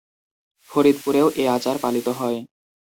ফরিদপুরেও এ আচার পালিত হয়।